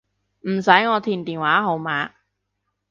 唔使我填電話號碼